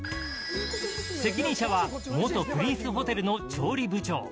責任者は元プリンスホテルの調理部長。